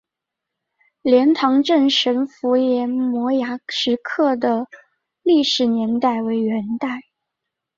莲塘镇神符岩摩崖石刻的历史年代为元代。